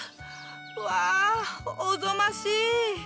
うわおぞましい！